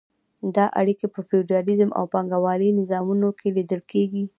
دا اړیکې په فیوډالیزم او پانګوالۍ نظامونو کې لیدل کیږي.